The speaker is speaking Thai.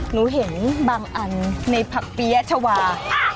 หนูเห็นบางอันในผักเปี๊ยะชาวา